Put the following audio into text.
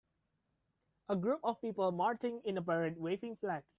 A group of people marching in a parade waving flags.